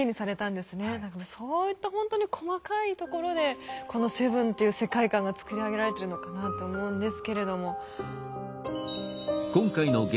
何かそういったほんとに細かいところでこの「７」っていう世界観が作り上げられてるのかなと思うんですけれども。